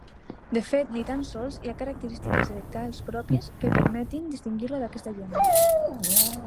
De fet, ni tan sols hi ha característiques dialectals pròpies que permetin distingir-lo d'aquesta llengua.